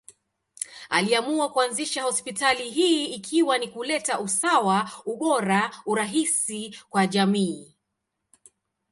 Aliamua kuanzisha hospitali hii ikiwa ni kuleta usawa, ubora, urahisi kwa jamii.